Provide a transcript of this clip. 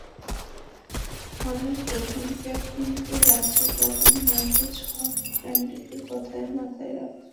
মানুষ যখন ট্যাব কিনতে যাচ্ছে তখন মাইক্রোসফট ব্র্যান্ডটির কথাও মাথায় রাখছে।